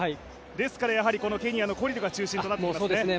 ですからやはりケニアのコリルが中心となってきますね。